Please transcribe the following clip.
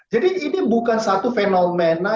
jadi ini bukan satu fenomena